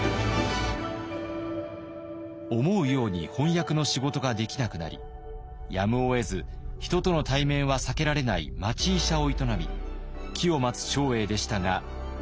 思うように翻訳の仕事ができなくなりやむをえず人との対面は避けられない町医者を営み機を待つ長英でしたが。